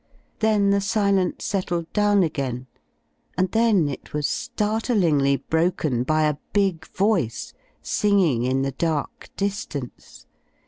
Then the silence settled down again; and then it was startlingly broken by a big voice singing in the dark distance.